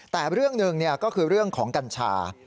แต่เรื่องหนึ่งก็คือเรื่องของกัญชา